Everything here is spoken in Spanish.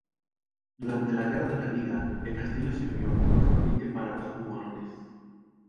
Durante la Guerra de la Liga, el castillo sirvió como escondite para los Hugonotes.